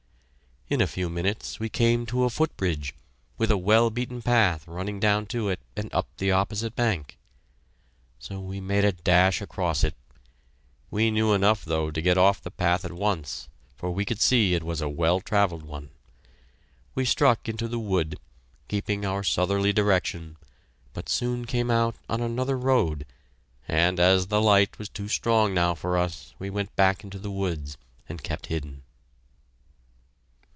In a few minutes we came to a foot bridge, with a well beaten path running down to it and up the opposite bank. So we made a dash across it. We knew enough, though, to get off the path at once, for we could see it was a well travelled one. We struck into the wood, keeping our southerly direction, but soon came out on another road, and as the light was too strong now for us, we went back into the woods and kept hidden.